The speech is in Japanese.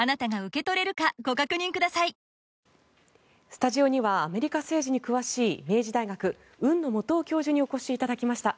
スタジオにはアメリカ政治に詳しい明治大学、海野素央教授にお越しいただきました。